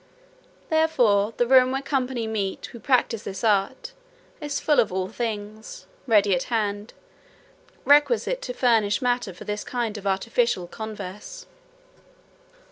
Therefore the room where company meet who practise this art, is full of all things, ready at hand, requisite to furnish matter for this kind of artificial converse.